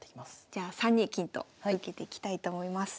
じゃあ３二金と受けていきたいと思います。